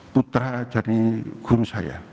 putra jari ghum saya